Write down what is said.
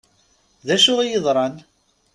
D acu i yeḍṛan?